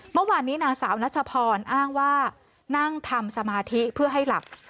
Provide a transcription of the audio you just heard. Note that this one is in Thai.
เมื่อวานนี้นางสาวนัชพรอ้างว่านั่งทำสมาธิเพื่อให้หลับ